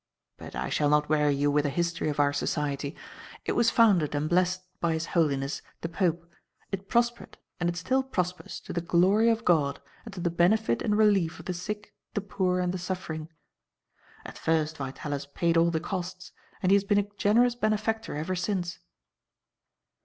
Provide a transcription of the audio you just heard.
But I shall not weary you with a history of our society. It was founded and blessed by His Holiness, the Pope, it prospered, and it still prospers to the glory of God and to the benefit and relief of the sick, the poor, and the suffering. At first Vitalis paid all the costs, and he has been a generous benefactor ever since."